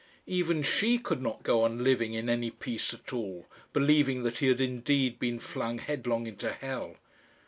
Even she could not go on living in any peace at all, believing that he had indeed been flung headlong into hell.